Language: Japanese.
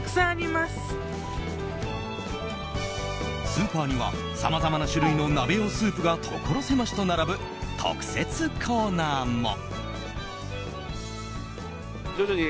スーパーにはさまざまな種類の鍋用スープが所狭しと並ぶ特設コーナーも。